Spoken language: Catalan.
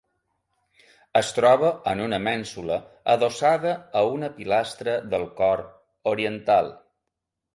Es troba en una mènsula adossada a una pilastra del cor oriental.